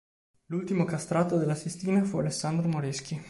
L'ultimo castrato della Sistina fu Alessandro Moreschi.